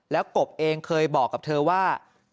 แล้วกบเองเคยบอกกับเธอว่า